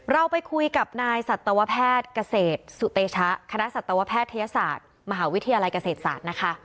เราไปคุยกับนายสัตวแพทย์เกษตรสุเตชะคณะสัตวแพทยศาสตร์มหาวิทยาลัยเกษตรศาสตร์นะคะ